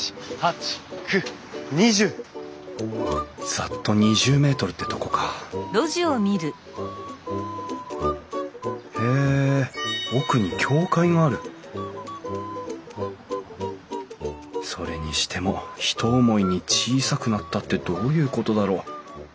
ざっと２０ｍってとこかへえ奥に教会があるそれにしても「ひと思いに小さくなった」ってどういうことだろう？